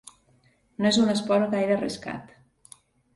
No és un esport gaire arriscat.